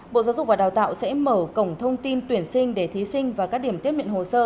bộ giáo dục và đào tạo sẽ mở cổng thông tin tuyển sinh để thí sinh và các điểm tiếp nhận hồ sơ